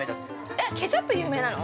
◆えっ、ケチャップ有名なの？